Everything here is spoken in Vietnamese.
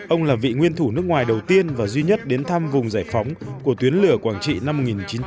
ông là vị nguyên thủ nước ngoài đầu tiên và duy nhất đến thăm vùng giải phóng của tuyến lửa quảng trị năm một nghìn chín trăm bảy mươi